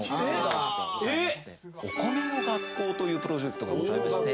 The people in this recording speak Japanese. お米の学校というプロジェクトがございまして。